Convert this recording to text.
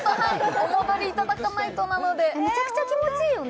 お戻りいただかないとなのでムチャクチャ気持ちいいよね